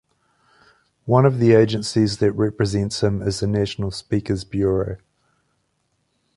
One of the agencies that represents him is the National Speakers Bureau.